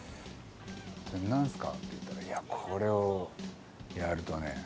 「何すか？」って言ったら「いやこれをやるとね